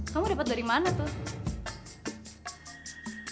kamu dapat dari mana tuh